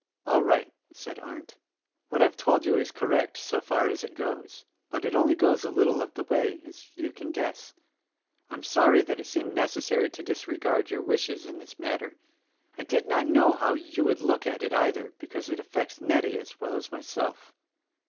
"All right," said Arndt; "what I've told you is correct so far as it goes; but it only goes a little of the way, as you can guess. I'm sorry that it seemed necessary to dis regard your wishes in this matter. I did not know how you would look at it, either, because it affects Nettie as well as myself.